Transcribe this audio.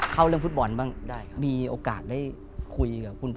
เรื่องฟุตบอลบ้างได้ครับมีโอกาสได้คุยกับคุณพ่อ